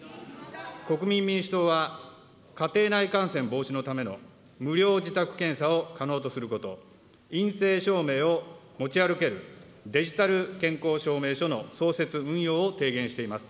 国民民主党は、家庭内感染防止のための無料自宅検査を可能とすること、陰性証明を持ち歩けるデジタル健康証明書の創設運用を提言しています。